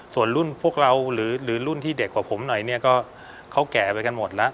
ส่วนรุ่นพวกเราหรือรุ่นที่เด็กกว่าผมหน่อยเนี่ยก็เขาแก่ไปกันหมดแล้ว